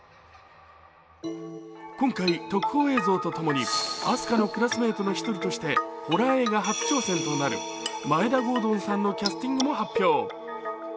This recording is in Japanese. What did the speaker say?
今回、特報映像とともに明日香のクラスメートの１人としてホラー映画初挑戦となる眞栄田郷敦さんのキャスティングも発表。